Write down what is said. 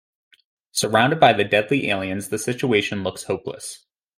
Surrounded by the deadly aliens, the situation looks hopeless.